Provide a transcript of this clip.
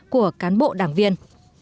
của cán bộ đảng viên